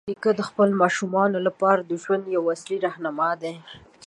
نیکه د خپلو ماشومانو لپاره د ژوند یوه اصلي راهنما دی.